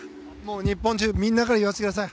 日本中みんなから言わせてください。